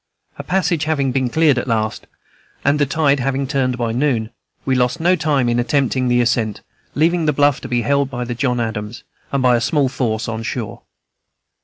A passage having been cleared at last, and the tide having turned by noon, we lost no time in attempting the ascent, leaving the bluff to be held by the John Adams, and by the small force on shore.